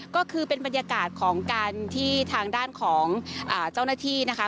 ก็คือเป็นบรรยากาศของการที่ทางด้านของเจ้าหน้าที่นะคะ